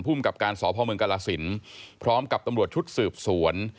กับการสพเมืองกรสินพร้อมกับตำรวจชุดสืบสวน